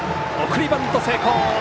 送りバント成功。